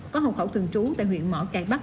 có hậu khẩu thường trú tại huyện mỏ cải bắc